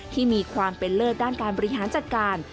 ที่มีความเป็นเลิศด้านการบริหารจัดการ